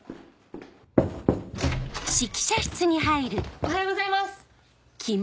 おはようございます！